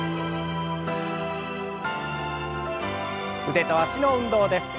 腕と脚の運動です。